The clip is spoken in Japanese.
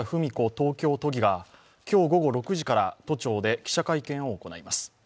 東京都議が今日午後６時から都庁で記者会見を行います。